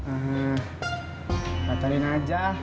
ah batalin aja